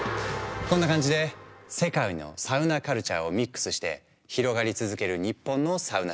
こんな感じで世界のサウナカルチャーをミックスして広がり続ける日本のサウナシーン。